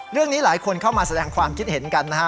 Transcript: เรื่องนี้หลายคนเข้ามาแสดงความคิดเห็นกันนะฮะ